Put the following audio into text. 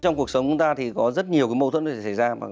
trong cuộc sống chúng ta thì có rất nhiều cái mâu thuẫn có thể xảy ra